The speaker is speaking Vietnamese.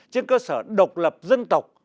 trên cơ sở độc lập dân tộc